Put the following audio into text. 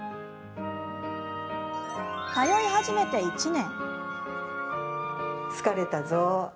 通い始めて１年。